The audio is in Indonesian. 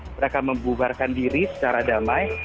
mereka membubarkan diri secara damai